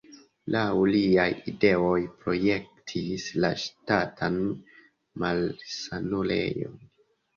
Laŭ liaj ideoj projektis la Ŝtatan malsanulejon.